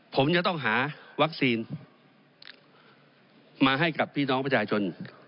ผมจะต้องหาวัคซีนมาให้กับพี่น้องประชาชน